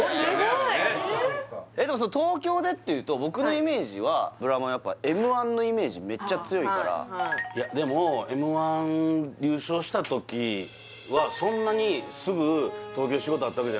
あれねえでも東京でっていうと僕のイメージはブラマヨはやっぱＭ−１のイメージめっちゃ強いからいやでもＭ−１優勝した時はそんなにそうなの？